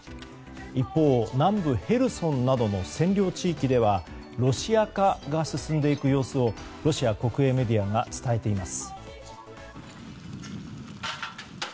一方、南部ヘルソンなどの占領地域ではロシア化が進んでいく様子をロシア国営メディアが伝えています。